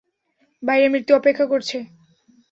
বাইরে মৃত্যু অপেক্ষা করছে!